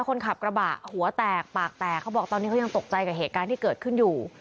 คนขับกระบะหัวแตกปากแตกเขาบอกตอนนี้เขายังตกใจกับเหตุการณ์ที่เกิดขึ้นอยู่